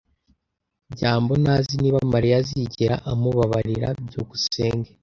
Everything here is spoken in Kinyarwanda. byambo ntazi niba Mariya azigera amubabarira. byukusenge